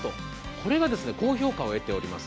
これが高評価を得ております。